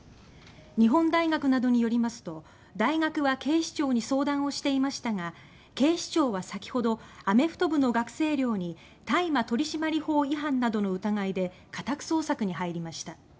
日本大学などによりますと大学は警視庁に相談をしていましたが警視庁は、先ほどアメフト部の学生寮に大麻取締法違反などの疑いで家宅捜索に入りました。